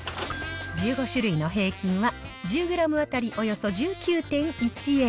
１５種類の平均は１０グラム当たりおよそ１９．１円。